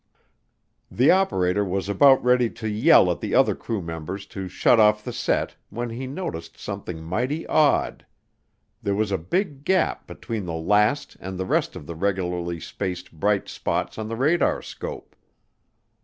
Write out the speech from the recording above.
The operator was about ready to yell at the other crew members to shut off the set when he noticed something mighty odd there was a big gap between the last and the rest of the regularly spaced bright spots on the radarscope.